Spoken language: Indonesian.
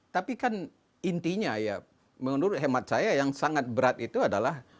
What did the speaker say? tapi kan intinya ya menurut hemat saya yang sangat berat itu adalah